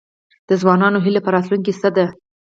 د ځوانانو هیله په راتلونکي څه ده؟